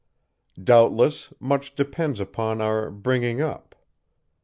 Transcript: Doubtless much depends upon our "bringing up."